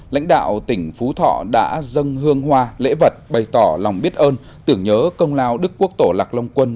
lãnh đạo tỉnh phú thọ đã dâng hương hoa lễ vật bày tỏ lòng biết ơn tưởng nhớ công lao đức quốc tổ lạc long quân